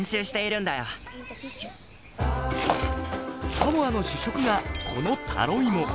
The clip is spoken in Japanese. サモアの主食がこのタロイモ。